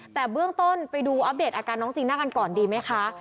แต่เบื้องต้นไปดูอัปเดตอาการน้องจีน่ากันก่อนดีไหมคะ